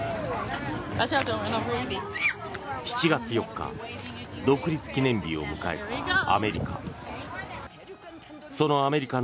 ７月４日独立記念日を迎えたアメリカ。